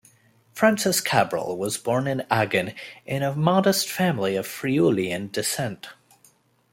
Francis Cabrel was born in Agen into a modest family of Friulian descent.